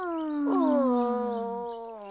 うん。